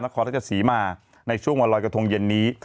นครราชสีมาในช่วงวันลอยกระทงเย็นนี้